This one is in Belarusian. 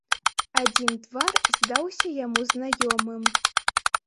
Адзін твар здаўся яму знаёмым.